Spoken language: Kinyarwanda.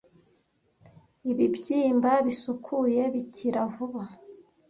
ibibyimba bisukuye bikira vuba